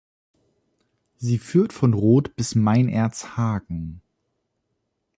Sie führt von Rodt bis Meinerzhagen.